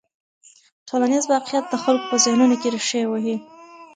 ټولنیز واقیعت د خلکو په ذهنونو کې رېښې وهي.